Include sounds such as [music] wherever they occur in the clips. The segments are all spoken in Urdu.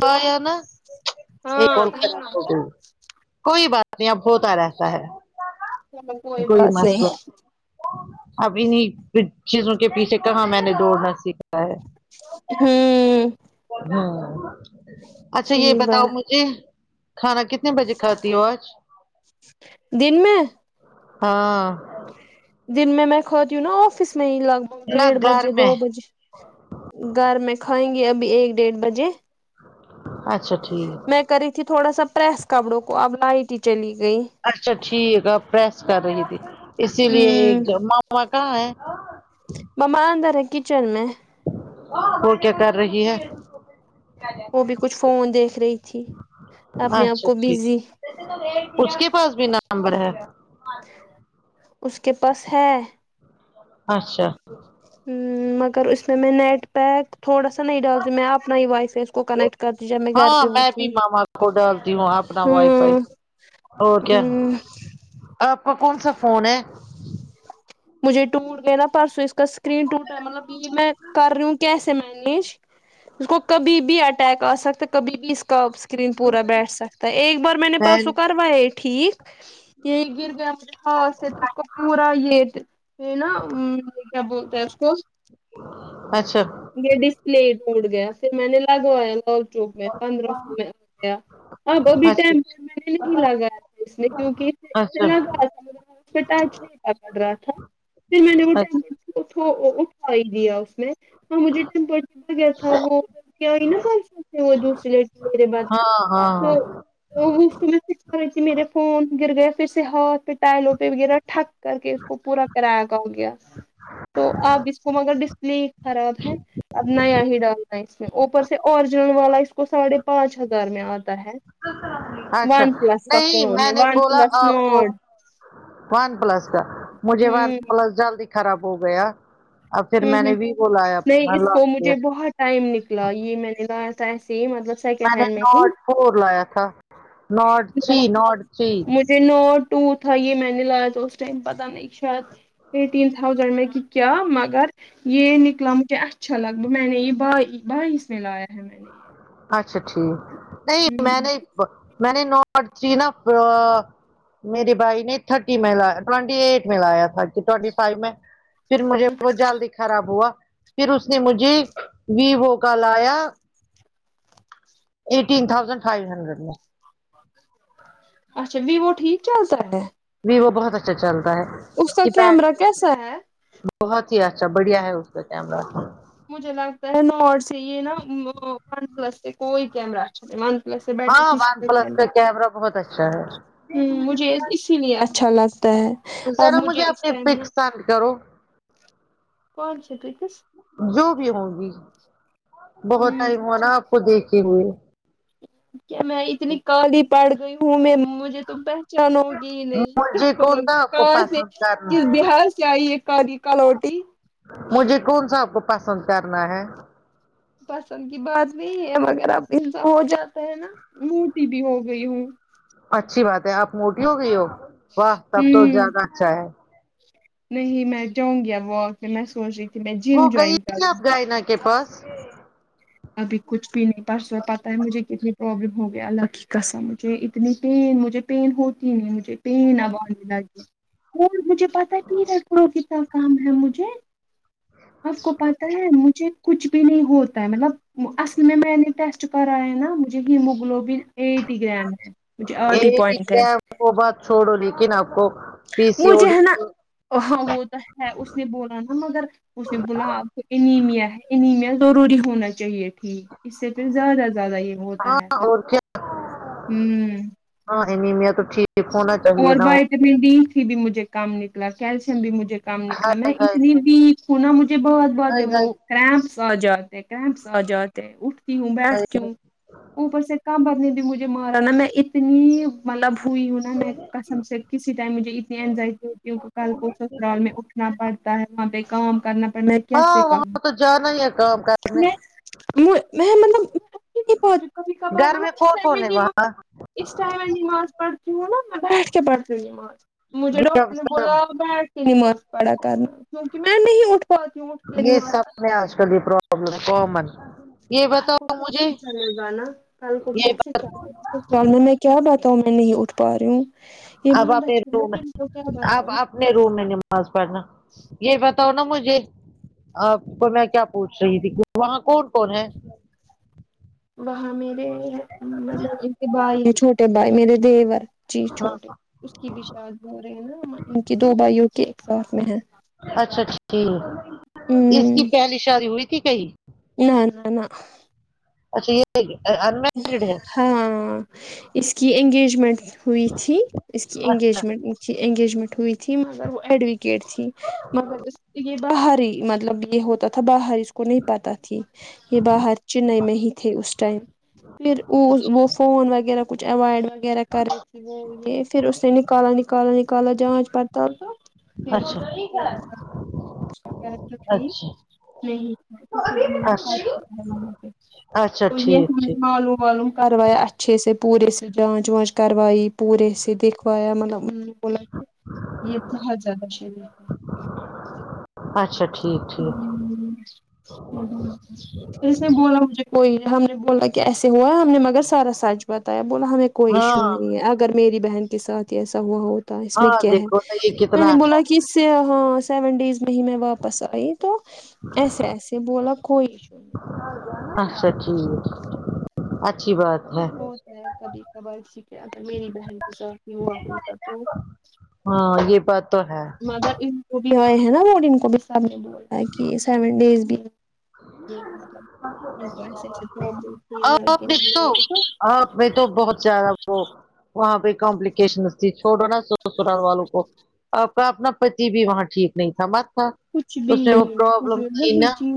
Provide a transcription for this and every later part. کر ہاں [unintelligible] کوئی بات نہیں اب ہوتا رہتا ہے کوئی بات نہیں مسٹر اب انہیں پھر چیزوں کے پیچھے کہاں میں نے دوڑنا سیکھا ہے ہوں ہا اچھا یہ صحیح بتاؤ بات مجھے کھانا کتنے بجے کھاتی ہوں آج دن میں ہاں دن میں میں کھتی ہوں نا آفس میں ہی لگ بھگ نہ ڈیڑھ گھر بجے دو میں بجے گھر میں کھائیں گی ابھی ایک ڈیڑھ بجے اچھا ٹھیک میں کری تھی تھوڑا سا پریس کپڑوں کو اب لائٹ ہی چلی گئی اچھا ٹھیک ہے پریس کر رہی تھی اسی لیے ایک ہوں جو ماما کہاں ہے مما اندر ہے کچن میں وہ کیا کر رہی ہے وہ بھی کچھ فون دیکھ رہی تھی اپنے آپ اچھا کو ٹھیک بزی اس کے پاس بھی نمبر ہے اس کے پاس ہے اچھا مگر ا اس م میں م میں نیٹ پیک تھوڑا سا نئی ڈال دی م میں آ اپ نئی وائف ہاں میں بھی ماما کو ڈالتی ہوں اپنا وائی فائی ہاں اور کیا آپ کا کون سا فون ہے مجھے ٹوٹ گیا نا پرسو اس کا اسکرین ٹوٹا مطلب یہ میں کر رہ ہوں کی کیسے مینیج اس کو کبھی بھی اٹیک آ سکتا کبھی بھی اس کا اسکرین پورا بیٹھ سکتا ہے ایک بار میں نے مین پرسوں کروایا ٹھیک یہ گرگیا خاص پورا ییٹ یہ نا کیا بولتے ہیں اس کو اچھا یہ ڈسپلے ٹوٹ گیا پھر میں نے لگوایا لال چوک میں پندرہ سو میں گیا اب وہ بھی اچھا ٹائم پر محنتھ لگایا اسے کیوںکہ اسے اچھا لگا ہ اچھا [unintelligible] اٹھو اٹھا ہی دیا اس نے ہاں مجھے ٹیمپلا گیا تھا وہ کیا ہوئی نا خاہش وہ دوسری ل میرے ب ہاں ہاں ہاں وہ تو میں سکھا ت میرے فون گر گئے پھر سے ہاتھ پہ ٹائلوں پہ وغیرہ تھٹک کر کے اس کو پورا کرایا کا ہو گیا تو آپ اس کو مگر ڈسپلے ہی خراب ہے اب نیا ہی ڈالنا ہے اس میں اوپر سے اوریجنل والا اس کو ساڑھے پانچ ہزار میں آتا ہے ہے اچھا ون پلس کا نہیں فون میں ہے نے ون بولا پلس آپ کو نوٹ ون پلس کا مجھے ہ ون پلس جلدی خراب ہو گیا اب پھر ہ میں ہ نے بھی بولایا نہیں اس لا کو مجھے بہت ٹائم نکلا یہ میں نے لا تھا ایسے ہی مطلب میں سیکنڈ نے ہینڈ ناٹ ہی فور لایا تھا ناٹ تھری ناٹ تھری ج نو ٹو تھا یہ میں نے لایا تھا اس ٹائم پتا نہیں شاید ایٹین تھاؤزنڈ میں کی کیا مگر یہ نکلا مجھے اچھا لگ ب میں نے یہ بائیس میں لایا ہے نے اچھا ٹھیک نہیں یہ ہ میں نہیں [unintelligible] میرے بھائی نے تھرٹی میں لا ٹوئنٹی ایٹ میں لایا تھا ٹینٹی فائیو میں پھر مجھے وہ جلدی خراب ہوا پھر اس نے مجھے ویوو کا لایا ایٹین تھاؤزینڈ فائیو ہنڈریڈ میں اچھا ویو ٹھیک چل تا ہے ویو بہت اچھا چلتا ہے اس کا کی بیٹ کیمرہ کیسا ہے بہت ہی اچھا بڑھیا ہے اس کا کیمرہ مجھے لگتا ہے نوٹ سے یہ نا ون پلس سے کوئی کیمرہ ون پلس سے ہاں ون بیٹر پلس کا کیمرہ بہت اچھا ہے ہمجھے اسی لیے اچھا لاس ببے اب ذرا مجھے اس اپنی ٹائم پک نا سینڈ کرو س [unintelligible] جو بھی ہوگی بہت ٹائم ہو نا آپ کو دیکھے ہوئے کیا میں اتنی کالی پڑ گئی ہوں میں مجھے تم پہ تو مجھے کون سا آپ کو [unintelligible] پسند کرنا کس بہار سے آی یہ کالی کالوٹی مجھے کون سا آب کو پسند کرنا ہے پسند کی بات نہیں ہے ا مگر اب انسا ہو جاتا ہے نا موٹی بھی ہو گئی ہوں اچھی بات ہے آپ موٹی ہو گئی ہو واہ تب تو ہوں زیادہ اچھا ہے نہیں میں جا و نگی اب واک میں میں سوچی سونچ رہی جم جوائن کر ونگی چائنا کے پاس ابھی کچھ بھی نہیں پرسوں پتہ ہے مجھے کتنی پرابلم ہو گیا الله کی قسم مجھے اتنی پین مجھے [unintelligible] اور مجھے پتا کہ ر پڑو کتنا کام ہے مجھے آپ کو پتا ہے مجھے کچھ بھی نہیں ہوتا ہے مطلب اصل میں میں نے ٹیسٹ پر آئے نا مجھے ہیموگلوبل ایٹی گرام ہے مجھے آٹی ایٹی پوائنٹ ہے گرام کی وہ بات چھوڑو لیکن آپ کو پی سی او مجھے ڈی ہے نا تو- ہاں وہ تو ہے اس نے بولا نا مگر اس نے بولا آپ کو انیمیا ہے انیمیا ضروری ہونا چاہیے تھی اس سے پھر زیادہ زیادہ یہ ہوتا ہے ہاں ہوں [unintelligible] ا اور وائٹامن ڈی س بھی مجھے کم نکلا کیلشیم بھی مجھے کم نکلا میں ہائے اتنی ویک ہوں نا مجھے بہت بہت ہائے ہائے وہ کرامس آ جاتے ہیں کر ا مس آ جاتے اٹھتی ہوں ہائے۔ بیٹھتی ہوں اوپر سے کم بدنے بھی مجھے مارا نا میں اتنی مطلب ہوئی ہوں نا میں قسم سے کسی ٹائم مجھے اتنی اینزائٹی ہوتی ہے کل کو سسرال میں اٹھنا پر تا ہے وہاں پہ کام کرنا پڑنا ہے ہاں کیسے کم وہاں جانا ہی ہے کام کرنے ار گھر میں کون کون ہے [unintelligible] وہاں اس ٹائم میں نماز پڑھتی ہوں نا میں بیٹھ کے پڑتی ہوں نماز مجھے یہ ڈاکٹر نے سب بولا بیٹھ کے نماز پڑھا کر کرنا کیونکے میں نہیں اٹھ پاتی ہوں نی یہ [unintelligible] سب میں آج کل کی پر ابلم کومن کل کو کیسے چلے گا نا کل کو یہ کیسے ب- چلے گا میں میں کیا بتاؤوں میں نہیں اٹھ پا رہی ہوں یہ اب اپنے روم کیا اب بتاؤں اپنے روم میں نماز پڑھنا یہ بتاؤ نا مجھے آپ کو میں کیا پوچھ رہی تھی وہاں کون کون ہے وہاں میرے ملب ان کے بھائی چھوٹے بھائی میرے دیور جی ہاں، چھوٹے اس کی بھی شادی ہو رہی ہے نا ان کی دو بھائیوں کے ایک ساتھ میں ہے اچھا ٹھیک اس ہوں کی پہلی شادی ہوئی تھی کہیں نہ نہ نہ اچھا یہ انمیرڈ ہے ہاں اس کی انگیجمنٹ ہوئی تھی اس کی اچھا انگیجمنٹ کی انگیجمنٹ ہوئی تھی مگر وہ ایڈ یہ تھی مگر یہ باہر ہی مطلب یہ ہو تی باہر اس کو نہیں پتہ تھی یہ باہر چنئی میں ہی تھے اس ٹائم پھر وہ اچھا وہ فون وغیرہ کچھ اوائڈ وغیرہ کرے کےے پھر اس سے نکالا نکالا کالا جانچ پڑتال توھر اچھا اچھا [unintelligible] اچھا اچھا ٹھیک [unintelligible] ٹھیک معلوم وعلوم کروایا اچھے سے پورے سے جانچ وانچ کروائی پورے سے دکھویا مطلب بولا کہ ہاں یہ بہت زیادہ شری [unintelligible] چ ہ ا [unintelligible] اس نے بولا مجھے کوئی ہم نے بولا کہ ایسے ہوا ہم نے مگر سارا سچ بتایا بولا ہمیں کوئی ہاں ایشو نہیں ہے اگر میری بہن کے ساتھ ہی ایسا ہوا ہوتا اس میں ہاں کیا ہے دیکھو نا یہ میں نے کتنا اچھا بولا ہے کس سے ہاں سیون ڈیز میں ہی میں واپس آئی تو ایسے ایسے بولا کوئی ایشو نہیں اچھا ٹھیک اچھی بات ہے ہوتا ہے کبھی کبھار س اگر میری بہن کے ساتھ بھی ہوا ہوتا تو ہاں یہ بات تو ہے مگر ان کو بھی ہوئے نا وہ ان کو بھی سب نے بولا ہے کہ سیون ڈیز بھی [unintelligible] ب آپ نے تو آپ میں تو بہت زیادہ وہ وہاں پہ کمپلیکیشن تھی چھوڑو نا سو سرال والوں کو آپ کا اپنا پتی بھی وہاں ٹھیک نہیں تھا مت تھا کچھ بھی اس میں وہ نہیں کچھ پرابلم بھی تھی وہی نا چی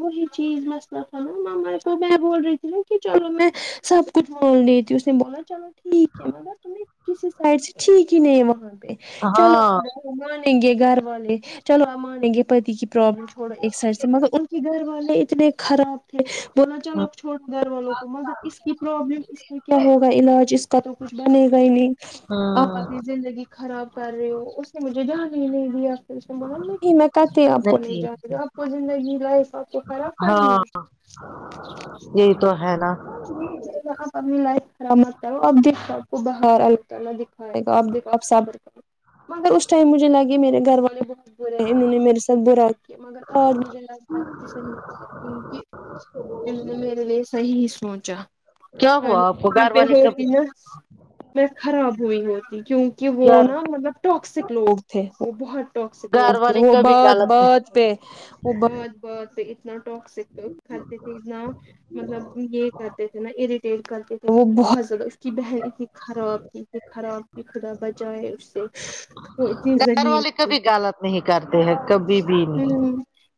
وہی چیز مسلہ کھانا مما کو میں بول رہی تھی نا کہ چلو میں سب کتوان لے تو اس نے بولان چل ٹھیک ہے مگر س میں کسی سائڈ سے ٹھیک ہی نہیں ہے وہاں پہ چلو ہاں مانیں گے گھر والے چلو آپ مانیں گے پتی کی پرابلم تھڑا ایک سائڈ سے مگر ان کے گھر والے اتنے خراب تھے بولا چلو چھڑ گھر والوں کو مگر اس کی پرابلم اس کیا ہوگا علاج اس کا تو کچھ بنے گا ہی نہیں آپ اپنی ہاں زندگی خراب کر رہے ہو اس نے مجھے دھیان ہی نہیں دیا پھر اس نے بولا کتے آپ کو نہیں جان رہ آپ کو زندگی لائف آپ کو خراب کرنی ہاں ہے یہی تو ہے نا آپ اپنی لائف خراب مت کرو آپ کو برا لگتا نہ د آپ دیکھو آپ صبر کرو مگر اس ٹائم مجھے لگے میرے گھر والے برے ہیں انہوں نے میرے ساتھ برا کیا مگر آج مجھے لگتا ہے صحیح تو نے میرے لیے صحیح سوچا کیا ہوا آپ کو وہاں گھر پہ والے ہوتی کبھی نا میں خراب ہوئی ہوتی کیوں کہ وہ گھر نا مطلب ٹاکسک لوگ تھے وہ بہت ٹاکسک گھر تھے والے وہ کبھی بات غلط بات نہیں پہ وہ بات بات پہ اتنا ٹاکسک کھاتے تھے اتنا مطلب یہ کرتے تھے نا اریٹیٹ کرتے تھے وہ بہت زیادہ اس کی بہن اتنی خراب تھی اتنی خراب خدا بجائے اس سے وہ اتنی گھر ذلیل والے تھی کبھی غلط نہیں کرتے ہیں کبھی بھی ہ نہیں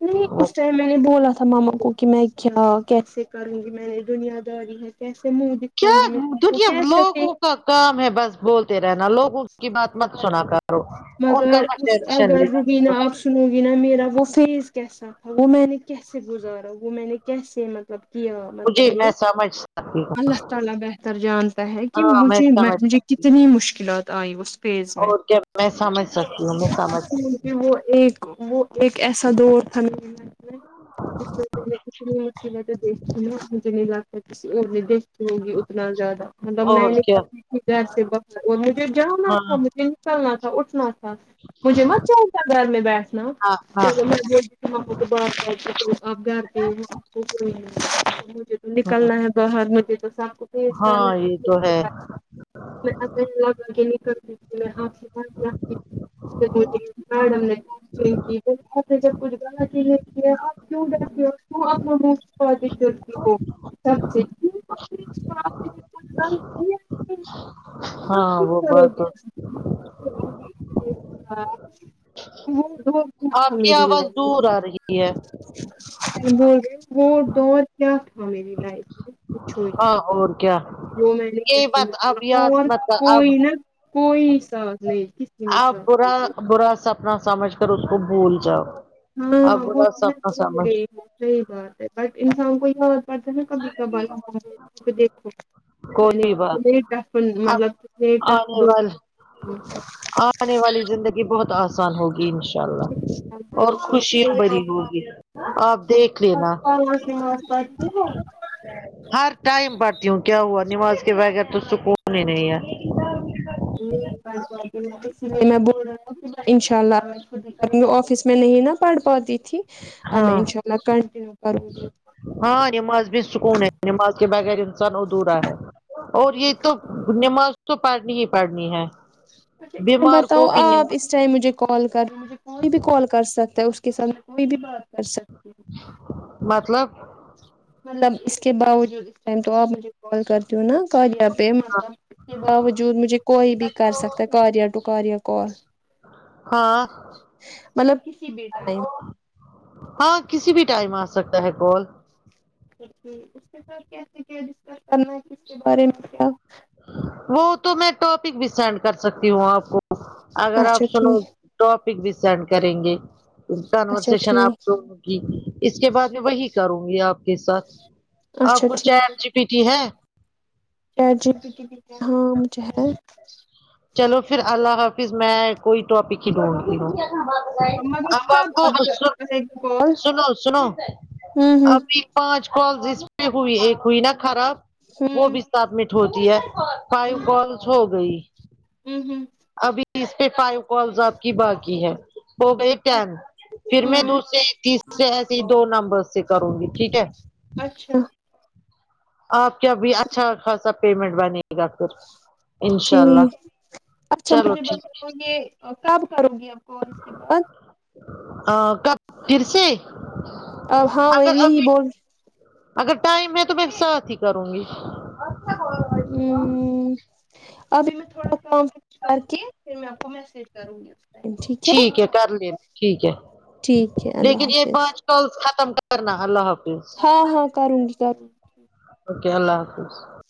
نہیں وہ اس ٹائم میں نے بولا تھا ماما کو کہ میں کیا کیسے کروں گی میں نے دنیاداری ہے کیسے منہ کیا دکھاؤں گی میں سب کو دنیا کیسے پ لوگوں کا کام ہے بس بولتے رہنا لوگ اس کی بات مت سنا کر مگر اس اگر روبینہ کرو آ سنو گی نا میرا وہ فیز کیسا تھا وہ میں نے کیسے گزارا وہ میں نے کیسے مطلب کیا مطلب مجھے یہ میں سمجھ سکتی ہوں اللہ االلہ بہتر جانتا ہے کہ ہاں میں مجھے سمجھ مجھے سکتی ہوں کتنی مشکلات آئی اس پیز میں اور کیا میں سمجھ سکتی ہوں میں سمجھ کہ وہ ایک وہ ایک ایسا دور تھا عق کسی اور نے گی اتنا زیادہ مطلب میں اور کیا نکلتی تھی گھر سے باہر اور مجھے جانا ہاں تھا مجھے چلنا تھا اٹھنا تھا مجھے مت چلتا گھر میں بیٹھنا ہاں ہاں تو کو بات کر آپ گھر گیی کو کوئی ہاں نکلنا ہے باہر میں پہ تو شام کو پھر کرنا ہاں یہ تو ہے میں الگ آگے نہیں کر دیتی ہ ہاں میڈم نے جب کچھ گا کیوں رہتے ہو کی اپنا م پی کرتی ہو سبی کیا ہی نہیں، آپ ہاں کیوں وہ کرو بات ٹو گے وہ آپ کی میری آواز لائف میں دور آ رہی ہے بول رہ دور کیا تھا میری لائف میں پوچھو ہی مت ہاں اور کیا وہ میں نے یہ کیسے بات اب نکلا یاد اور مت کر، اب کوئی نا کوئی ساٹھ نہیں کسی نے آپ ساتھ برا برا سپنا سمجھ کر اس کو بھول جاؤ ہاں آپ ہاں وہ برا تو میں سپنا بھول سمجھ گئی ہوں صحیح بات ہے بٹ انسان کو یاد پتا نہ کبھی کبار دیکھو کوئی بات آپ مطلبٹ آنے وال آنے والی زندگی بہت آسان ہوگی اناءلہ [unintelligible] ہوگی آپ دیکھ ہر لینا پاوا سے بات کرتی ہوں ہر ٹائم پڑتی ہوں کیا ہوا نماز کے بغیر تو سکون ہی نہیں ہے ایدار ویدار میں بول رہا تھا انشاء اللہ ابھی آفس میں نہیں نا پڑھ پاتی تھی ا میں ہاں انشاء اللہ کنٹنییو کروں گی ہاں نماز بھی سکون ہے نماز کے بغیر انسان ادھورا ہے اور یہ تو گی نماز تو پڑنی ہی پڑنی ہے میں بیمار بتاؤ کو بھی آب اس نم- چاہے مجھے کال کر مج کوئی بھی کال کر سکتا ہے اس کے سات میں کوئی بھی بات کر سکتی ہوں مطلب مطلب اس کے باوجود اس ٹائم تو آپ مجھے کال کرتی ہوں نا کہاں جاں پہ مطلب اس باوجود مجھے کوئی بھی کر سکتا ہے کارئ ٹو کارئ کال ہاں مطلب کسی بھی ٹائم ہاں کسی بھی ٹائم آ سکتا ہے کال ہم اس کے ساتھ کے سکتی ہے جس کا سر نیم اور نیم اور وہ تو میں تو ابھی سینڈ کر سکتی ہوں آپ کو اگر اچھا آپ سنو ٹھیک ٹاپک بھی سینڈ کریں گے اچھا کنورسشن آپ ٹھیک کو اس کے بعد میں وہی کروں گی آپ کے ساتھ آپ اچھا کو ٹھیک چار جی پی ٹی ہے جی ہاں مجھے ہلپ چلو پھر اللہ حافظ میں کوئی ٹاپک ہی دوںں گی مگر اب آپ کو سن سب کال سنو سنو ا ہمم پانچ کال اس میں ہوئی ایک ہوئی نا خراب ہوں وہ بھی ہے فائیو کالس ہو گئی ہ ہوں ابھی اس پہ فائیو کالز آپ کی باقی ہے ا ٹیم پھر میں ہمم دوسرے تیسرے ایسے دو نمبر سے کروں گی ٹھیک ہے اچھا آپ کیاب اچھا خاصا پیمنٹ با نے گا پہر ٹھیک اچھا مجھے ب ٹھیک گے کب کرو گی اب کال اس کے بعد ا کب پھر سے اب ہاں وہ اگر یہی ابھی بول رہ اگر ٹائم ہے تو میں ساتھ ہی کروں گی ہ ابھی میں تھوڑا فم فکس کر کے پھر میں تو میسیج کروں گی ٹھیک ہے کر ل ٹھیک ہے ٹھیک ہے لیکن اللہ یہ حافظ پانچ کالز ختم کرنا اللہ حافظ ہاں ہاں کروں گی کیتا اوکے اللہ حافظ